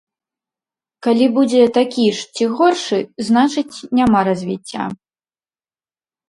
Калі будзе такі ж ці горшы, значыць няма развіцця.